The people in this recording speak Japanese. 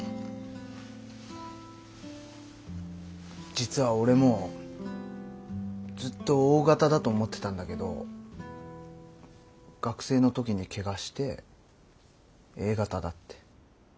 実は俺もずっとＯ型だと思ってたんだけど学生の時に怪我してＡ型だって。